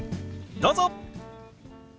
どうぞ！